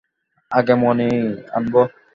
আগে মণি আনব।